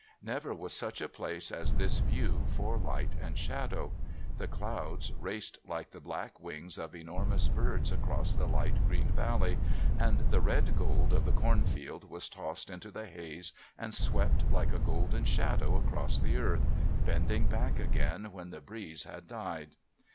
Never was such a place as this view for light and shadow. The clouds raced like the black wings of enormous birds across the light green valley, and the red gold of the cornfield was tossed into the haze and swept like a golden shadow across the earth, bending back again when the breeze had died.